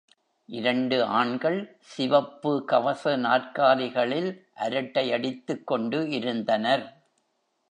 இரண்டு ஆண்கள் சிவப்பு கவச நாற்காலிகளில் அரட்டை அடித்துக்கொண்டு இருந்தனர்.